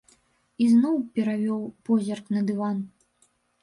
Ізноў перавёў позірк на дыван.